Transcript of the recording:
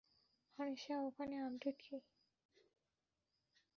আনিশা, ওখানে আপডেট কী?